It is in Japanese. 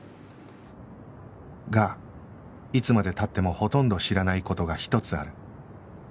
がいつまで経ってもほとんど知らない事が一つある